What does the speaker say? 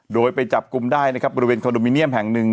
โดยไปจับกลุ่มได้นะครับบริเวณคอนโดมิเนียมแห่งหนึ่ง